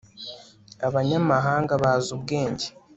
Abanyamahanga bazi ubwenge